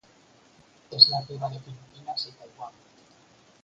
Es nativa de Filipinas y Taiwán.